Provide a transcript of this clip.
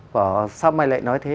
bảo sao mày lại nói thế